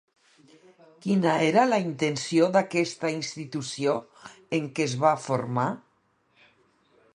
Quina era la intenció d'aquesta institució en què es va formar?